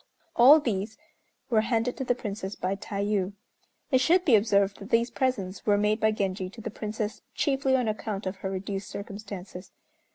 All these were handed to the Princess by Tayû. It should be observed that these presents were made by Genji to the Princess chiefly on account of her reduced circumstances.